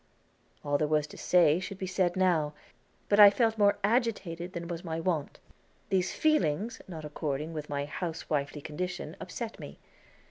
All there was to say should be said now; but I felt more agitated than was my wont. These feelings, not according with my housewifely condition, upset me.